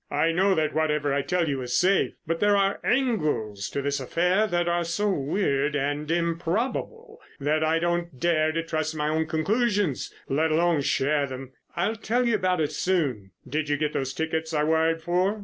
I know that whatever I tell you is safe, but there are angles to this affair that are so weird and improbable that I don't dare to trust my own conclusions, let alone share them. I'll tell you all about it soon. Did you get those tickets I wired for?"